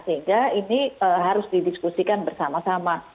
sehingga ini harus didiskusikan bersama sama